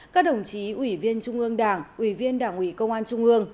các đồng chí ủy viên trung ương đảng ủy viên đảng ủy công an trung ương